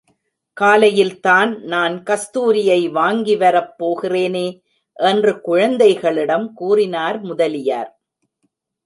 காலையில் தான் நான் கஸ்தூரியை வாங்கிவரப் போகிறேனே! என்று குழந்தைகளிடம் கூறினார் முதலியார்.